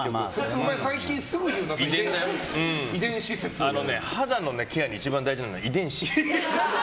お前、最近すぐ言うな肌のケアで一番大事なのは遺伝子。